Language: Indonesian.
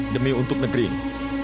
demi untuk negeri ini